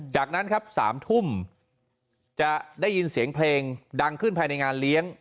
จากนั้นครับ๓ทุ่มจะได้ยินเสียงเพลงดังขึ้นภายในงานเลี้ยง